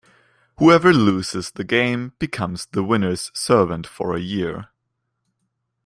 Whoever loses the game becomes the winner's servant for a year.